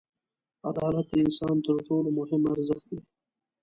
• عدالت د انسان تر ټولو مهم ارزښت دی.